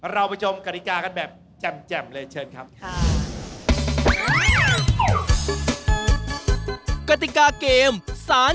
เราไปชมกฎิกากันแบบแจ่มเลยเชิญครับ